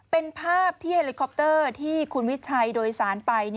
เป็นภาพที่เฮลิคอปเตอร์ที่คุณวิชัยโดยสารไป